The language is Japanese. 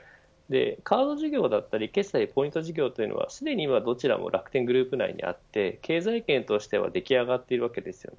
カード事業だったり決済ポイント事業というのは常にどちらも楽天グループ内にあって経済圏としては出来上がっているわけです。